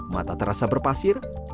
mata terasa berpasir